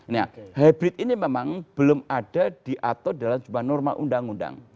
nah hybrid ini memang belum ada di atur dalam norma undang undang